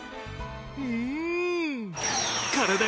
うん！